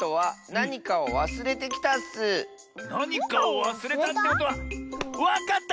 なにかをわすれたってことはわかった！